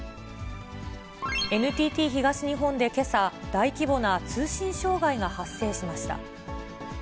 ＮＴＴ東日本でけさ、大規模な通信障害が発生しました。